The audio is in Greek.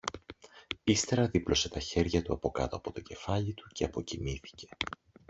Ύστερα δίπλωσε τα χέρια του αποκάτω από το κεφάλι του και αποκοιμήθηκε.